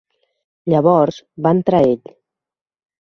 Llavors va entrar ell.